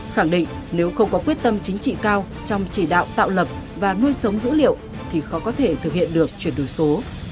khẳng định nếu không có quyết tâm chính trị cao trong chỉ đạo tạo lập và nuôi sống dữ liệu thì khó có thể thực hiện được chuyển đổi số